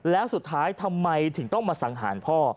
แล้วสุดท้ายทำไมถึงต้องมาสังหารพ่อ